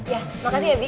ya makasih ya bi